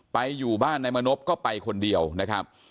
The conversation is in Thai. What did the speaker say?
อยู่บ้านนายมณพก็ไปคนเดียวนะครับ